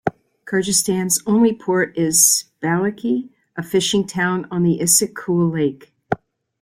Kyrgyzstan's only port is Balykchy, a fishing town on Issyk Kul Lake.